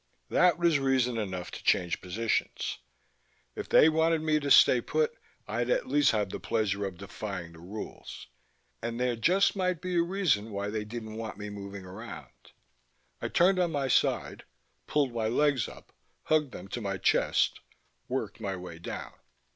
That was reason enough to change positions. If they wanted me to stay put I'd at least have the pleasure of defying the rules. And there just might be a reason why they didn't want me moving around. I turned on my side, pulled my legs up, hugged them to my chest, worked my way down